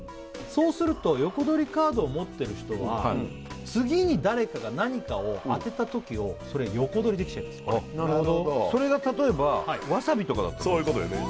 そうすると横取りカードを持ってる人は次に誰かが何かを当てた時をそれ横取りできちゃいますなるほどそれが例えばわさびとかだったらそういうことよね